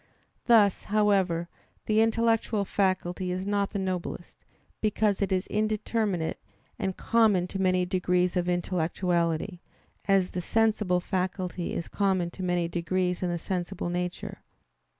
Thus, however, the intellectual faculty is not the noblest, because it is indeterminate and common to many degrees of intellectuality; as the sensible faculty is common to many degrees in the sensible nature.